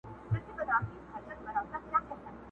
له ګرېوانه یې شلېدلي دُردانې وې!